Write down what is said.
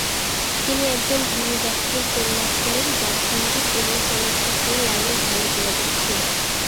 তিনি একজন ধনী ব্যক্তির কন্যা ছিলেন যার সংগীত এবং চলচ্চিত্রের লাইনে ভাল যোগাযোগ ছিল।